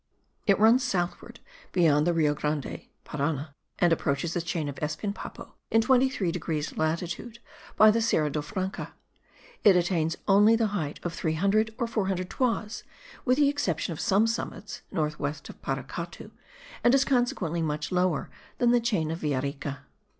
It runs southward beyond the Rio Grande (Parana), and approaches the chain of Espinpapo in 23 degrees latitude, by the Serra do Franca. It attains only the height of 300 or 400 toises, with the exception of some summits north west of Paracatu, and is consequently much lower than the chain of Villarica.